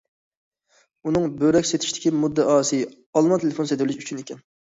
ئۇنىڭ بۆرەك سېتىشتىكى مۇددىئاسى ئالما تېلېفون سېتىۋېلىش ئۈچۈن ئىكەن.